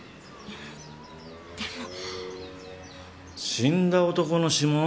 死んだ男の指紋？